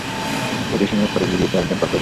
যদিও, সিংহভাগ খরচ জুগিয়েছে একজন কর্পোরেট স্পন্সর।